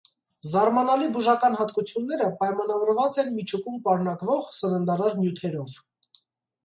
Զարմանալի բուժական հատկությունները պայմանավորված են միջուկում պարունակվող սննդարար նյութերով։